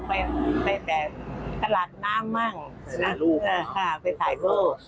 ไปแบบตลาดน้ำบ้างไปถ่ายรูป